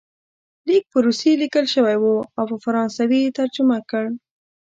لیک په روسي لیکل شوی وو او په فرانسوي یې ترجمه کړ.